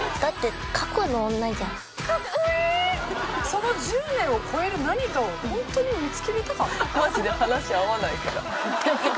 その１０年を超える何かをホントに見つけられたか？